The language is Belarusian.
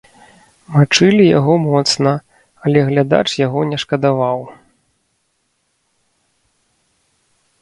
Мачылі яго моцна, але глядач яго не шкадаваў.